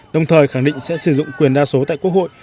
đồng thời khẳng định sẽ sử dụng quyền đa số tại quốc hội